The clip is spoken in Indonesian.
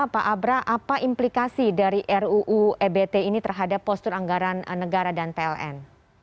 pak abra apa implikasi dari ruu ebt ini terhadap postur anggaran negara dan pln